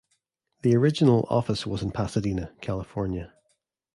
The original office was in Pasadena, California.